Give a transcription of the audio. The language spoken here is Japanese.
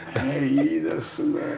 いいですね。